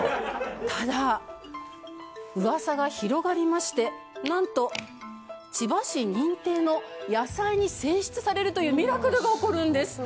ただ噂が広がりましてなんと千葉市認定の野菜に選出されるというミラクルが起こるんです！